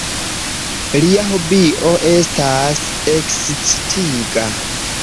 Lia hobio estas ekscitiga.